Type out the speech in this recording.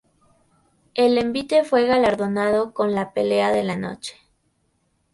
El envite fue galardonado con la "Pelea de la Noche".